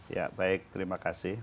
ya baik terima kasih